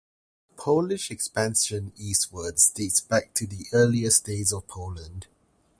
Polish expansion eastwards dates back to the earliest days of Poland.